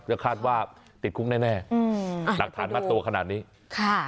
เดี๋ยวคาดว่าติดคุกแน่อืมอ่าดูนักฐานมาตัวขนาดนี้ค่ะ